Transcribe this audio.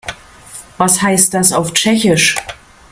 Was heißt das auf Tschechisch?